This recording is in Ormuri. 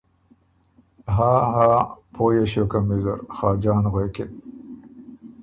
”هاں هاں پویه ݭیوکم ویزر“ خاجان غوېکِن۔